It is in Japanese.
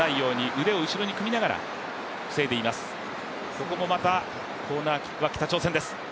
ここもまた、コーナーキックは北朝鮮です。